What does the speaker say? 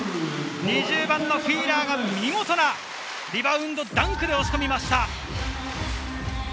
２０番のフィーラーが見事なリバウンドダンクで押し込みました。